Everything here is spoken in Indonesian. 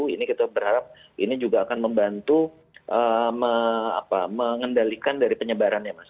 ini kita berharap ini juga akan membantu mengendalikan dari penyebarannya mas